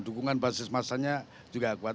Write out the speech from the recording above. dukungan basis masanya juga kuat